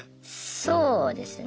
そうですね。